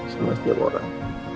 semua sejauh orang